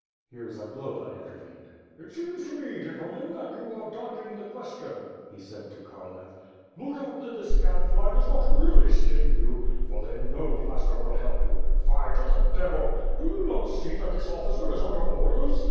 Here Zagloba intervened: "It seems to me, gentlemen, that you are dodging the ques WITH FIRE AND SWORD, 543 tion/' he said to Kharlamp. "Look out that this gad fly does not really sting you; for, then, no plaster will help yon. Fie! To the Devil! Do you not see that this officer is under orders.